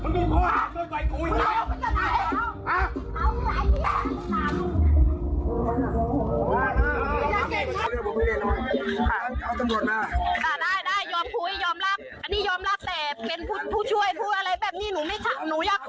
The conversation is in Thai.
มีคนแบบนี้ยอมรับผู้ช่วยแต่ดูเป็นหนูไม่รักไม่ได้